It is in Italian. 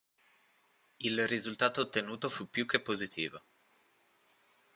Il risultato ottenuto fu più che positivo.